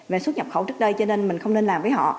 về xuất nhập khẩu trước đây cho nên mình không nên làm với họ